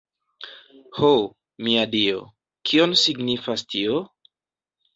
Ho, mia Dio, kion signifas tio?